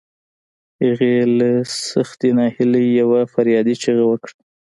هغې له سختې ناهيلۍ يوه فریادي چیغه وکړه.